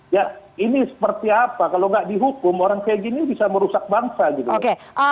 ya ini seperti apa kalau tidak dihukum orang seperti ini bisa merusak bangsa juga